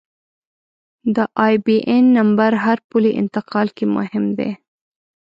د آیبياېن نمبر هر پولي انتقال کې مهم دی.